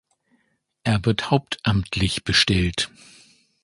Er wird hauptamtlich bestellt.